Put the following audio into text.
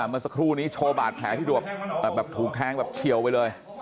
เมื่อสักครู่นี้โชว์บาดแผลที่ถูกแทงแบบเฉียวไปเลย